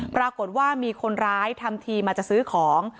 ปรากฏว่ามีคนร้ายทำทีมาจะซื้อของ